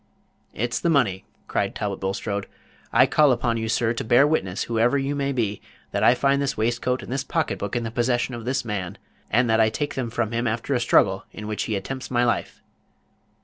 "It's the money," cried Talbot Bulstrode. "I call upon you, sir, to bear witness, whoever you may be, that I find this waistcoat and this pocket book in the possession of this man, and that I take them from him after a struggle in which he attempts my life."